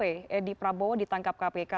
edi prabowo ditangkap kpk